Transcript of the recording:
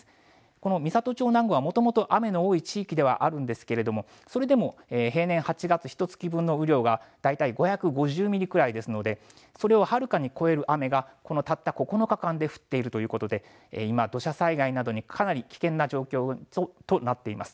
この美郷町南郷、もともと雨の多い地域ではあるんですけれどもそれでも平年８月ひとつき分の雨量は大体５５０ミリくらいですので、それをはるかに超える雨がこのたった９日間で降っているということで今、土砂災害などにかなり危険な状況となっています。